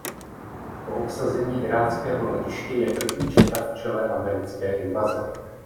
Po obsazení iráckého letiště je první četa v čele americké invaze.